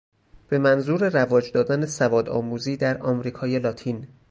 به منظور رواج دادن سواد آموزی در امریکای لاتین